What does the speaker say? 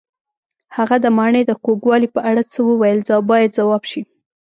هغه د ماڼۍ د کوږوالي په اړه څه وویل باید ځواب شي.